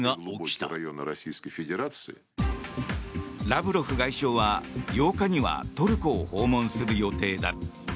ラブロフ外相は８日にはトルコを訪問する予定だ。